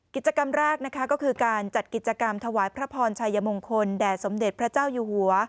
กิจกรรมแรกนะคะก็คือการจัดกิจกรรมถวายพระพรชัยมงคลแด่สมเด็จพระเจ้าอยู่หัว